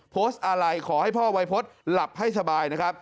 โพสต์อะไรขอให้พ่อวัยพฤษหลับให้สบายนะครับ